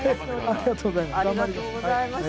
ありがとうございます。